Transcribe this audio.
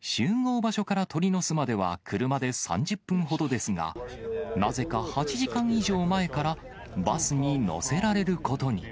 集合場所から鳥の巣までは、車で３０分ほどですが、なぜか８時間以上前から、バスに乗せられることに。